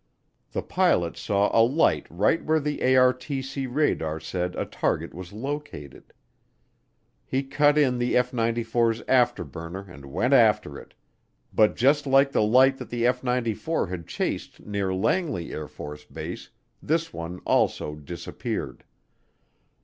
The pilot saw a light right where the ARTC radar said a target was located; he cut in the F 94's afterburner and went after it, but just like the light that the F 94 had chased near Langley AFB, this one also disappeared.